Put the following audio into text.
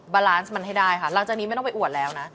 บาลานซ์มันให้ได้ค่ะหลังจากนี้ไม่ต้องไปอวดแล้วนะ